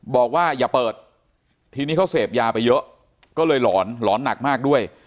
บอกว่าอย่าเปิดทีนี้เขาเสพยาไปเยอะก็เลยหลอนหลอนหนักมากด้วย